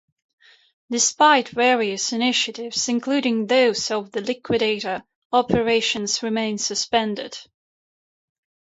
Despite various initiatives, including those of the liquidator, operations remain suspended.